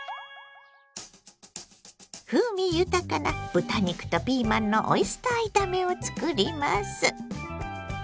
風味豊かな豚肉とピーマンのオイスター炒めをつくります。